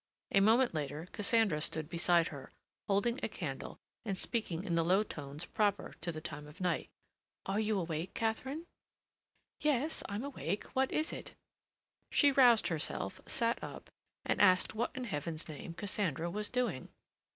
A moment later Cassandra stood beside her, holding a candle and speaking in the low tones proper to the time of night. "Are you awake, Katharine?" "Yes, I'm awake. What is it?" She roused herself, sat up, and asked what in Heaven's name Cassandra was doing?